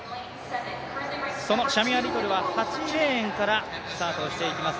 そのシャミア・リトルは８レーンからスタートしていきます。